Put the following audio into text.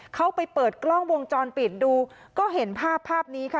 เขาไปเปิดกล้องวงจรปิดดูก็เห็นภาพภาพนี้ค่ะ